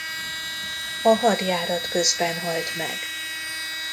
A hadjárat közben halt meg.